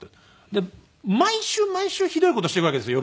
で毎週毎週ひどい事していくわけですよ